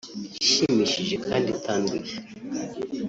ishimishije kandi itanduye